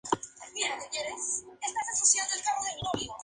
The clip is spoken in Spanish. El grupo avanzaba dividido en varias unidades.